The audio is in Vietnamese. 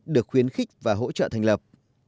được khuyến khích và hỗ trợ thành lập